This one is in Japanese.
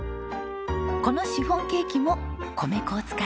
このシフォンケーキも米粉を使っているんですよ。